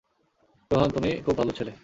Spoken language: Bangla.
রোহান, তুমি খুব ভাল ছেলে।